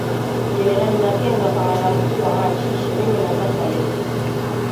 Jenerali Makenga kamanda mkuu wa Machi ishirni na tatu amerudi